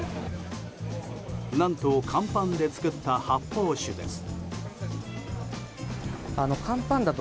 何とカンパンで作った発泡酒です。